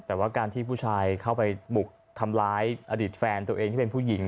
แต่ว่าการที่ผู้ชายเข้าไปบุกทำร้ายอดีตแฟนตัวเองที่เป็นผู้หญิง